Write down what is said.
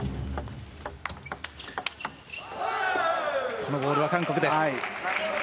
このボールは韓国です。